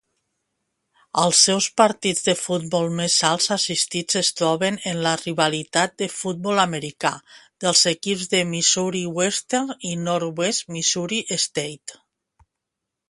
Els seus partits de futbol més alts assistits es troben en la rivalitat de futbol americà dels equips de Missouri Western i Northwest Missouri State